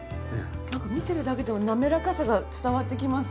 なんか見てるだけでも滑らかさが伝わってきます。